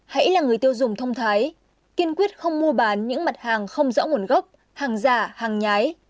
hãy là người tiêu dùng thông thái kiên quyết không mua bán những mặt hàng không rõ nguồn gốc hàng giả hàng nhái